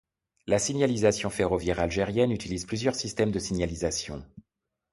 La signalisation ferroviaire algérienne utilise plusieurs systèmes de signalisation.